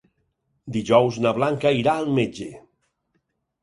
Dijous na Blanca irà al metge.